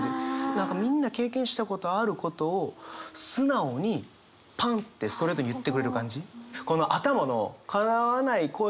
何かみんな経験したことあることを素直にパンってストレートに言ってくれる感じ。